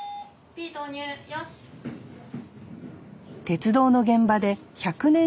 鉄道の現場で１００年